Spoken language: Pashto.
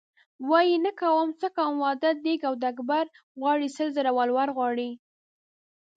وايي نه کومه څه کوم واده دیګ او دیګبر غواړي سل زره ولور غواړي .